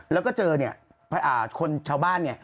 แล้วก็เจอคนชาวบ้าน